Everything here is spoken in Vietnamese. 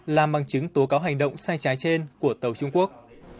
làm bằng chứng tố cáo hành động sai trái trên của tàu trung quốc